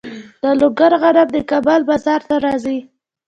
د لوګر غنم د کابل بازار ته راځي.